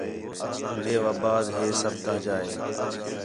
میوا بعد ہے سب تاہجا ہِے